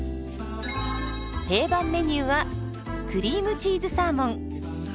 定番メニューはクリームチーズサーモン。